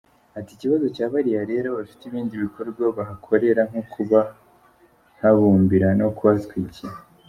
Ati “Ikibazo cya bariya rero bafite ibindi bikorwa bahakorera nko kuhabumbira no kuhatwikira.